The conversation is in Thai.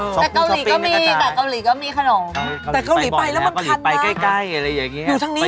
ช็อปพูชอปปิ้นเนี่ยจ้ะจ้ะอะคือจะเห็นความรักก็เนี่ยแต่เกาหลีก็มี